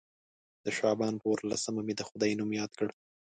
د شعبان پر اووه لسمه مې د خدای نوم یاد کړ.